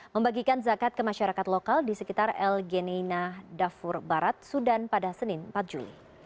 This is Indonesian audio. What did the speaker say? membagikan zakat ke masyarakat lokal di sekitar el genena dafur barat sudan pada senin empat juli